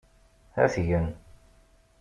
Ad t-gen.